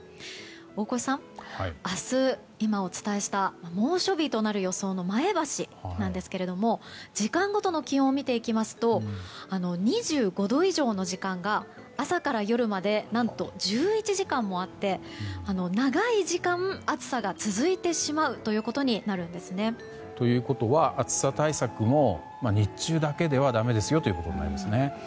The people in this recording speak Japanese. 大越さん、明日、今お伝えした猛暑日となる予想の前橋なんですが時間ごとの気温を見ていきますと２５度以上の時間が朝から夜まで何と１１時間もあって長い時間、暑さが続いてしまうということになるんですね。ということは暑さ対策も日中だけではだめですよということになりますね。